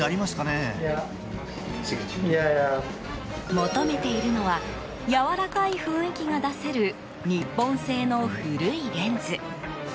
求めているのはやわらかい雰囲気が出せる日本製の古いレンズ。